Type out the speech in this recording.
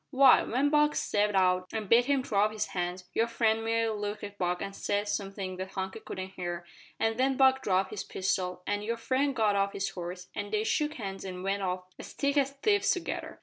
"Why, when Buck stepped out an' bid him throw up his hands, your friend merely looked at Buck and said somethin' that Hunky couldn't hear, an then Buck dropped his pistol, and your friend got off his horse, and they shook hands and went off as thick as thieves together.